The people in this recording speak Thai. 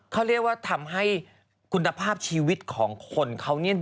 เขาเรียกว่าทำให้คุณภาพชีวิตของคนเขาเนี่ย